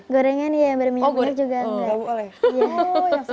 gorengan iya yang ber minyak minyak juga nggak boleh